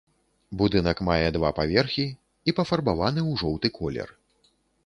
Будынак мае два паверхі і пафарбаваны ў жоўты колер.